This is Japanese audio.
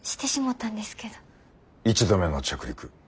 １度目の着陸。